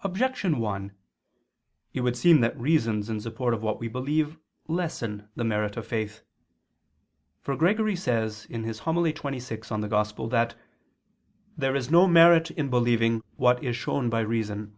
Objection 1: It would seem that reasons in support of what we believe lessen the merit of faith. For Gregory says (Hom. xxvi in Evang.) that "there is no merit in believing what is shown by reason."